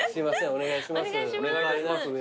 お願いします。